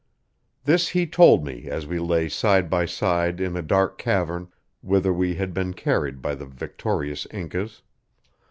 This he told me as we lay side by side in a dark cavern, whither we had been carried by the victorious Incas.